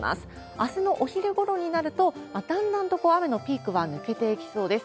あすのお昼ごろになると、だんだんと雨のピークは抜けていきそうです。